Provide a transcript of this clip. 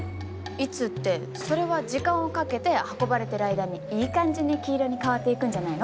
いつってそれは時間をかけて運ばれてる間にいい感じに黄色に変わっていくんじゃないの？